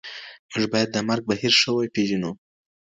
موږ باید د مرګ بهیر ښه وپېژنو.